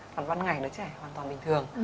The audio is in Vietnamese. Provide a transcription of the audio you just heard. hoàn toàn ngày nó chảy hoàn toàn bình thường